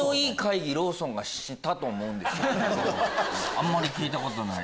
あんまり聞いたことない。